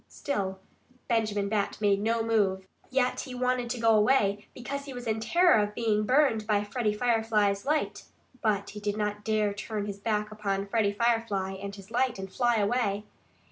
Still Benjamin Bat made no move. Yet he wanted to go away because he was in terror of being burned by Freddie Firefly's light. But he did not dare turn his back upon Freddie Firefly and his light and fly away.